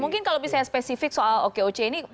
mungkin kalau misalnya spesifik soal okoc ini